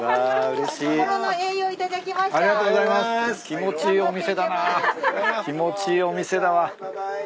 気持ちいいお店だわ。